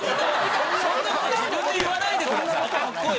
そんな事自分で言わないでください！